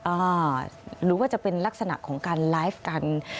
หรือว่าจะเป็นลักษณะของการไลฟ์กัน